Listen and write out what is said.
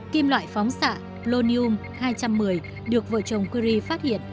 kim loại phóng xạ plonium hai trăm một mươi được vợ chồng curie phát hiện